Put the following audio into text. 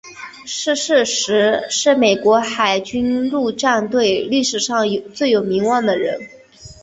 逝世时是美国海军陆战队历史上最有名望的人。